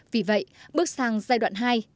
vì vậy bước sang giai đoạn hai